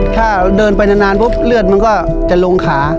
ถ้าเดินไปนานปุ๊บเลือดมันก็จะลงขา